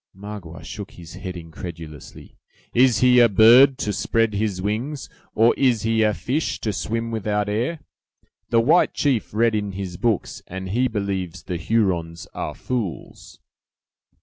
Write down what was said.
Magua shook his head incredulously. "Is he a bird, to spread his wings; or is he a fish, to swim without air! The white chief read in his books, and he believes the Hurons are fools!"